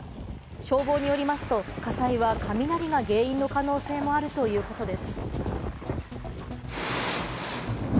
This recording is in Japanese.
消防によりますと、火災は雷が原因の可能性もあるということです。